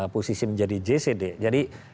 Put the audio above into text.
posisi menjadi jc d jadi